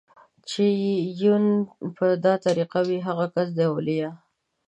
چې يې يون په دا طريق وي هغه کس دئ اوليا